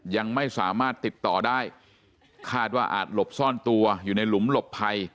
ยังไม่สามารถติดต่อได้คาดว่าอาจหลบซ่อนตัวอยู่ในหลุมหลบภัย